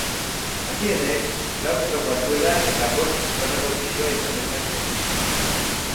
Handienek, lau metroko altuera eta bost tonako pisua izan dezakete.